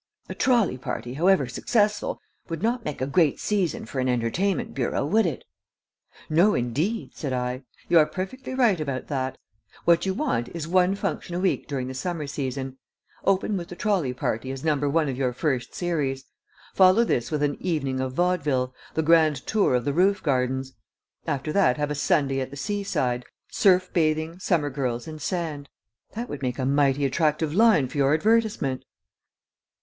"A trolley party, however successful, would not make a great season for an entertainment bureau, would it?" "No, indeed," said I. "You are perfectly right about that. What you want is one function a week during the summer season. Open with the trolley party as No. 1 of your first series. Follow this with 'An Evening of Vaudeville: The Grand Tour of the Roof Gardens.' After that have a 'Sunday at the Sea side Surf Bathing, Summer Girls and Sand.' That would make a mighty attractive line for your advertisement."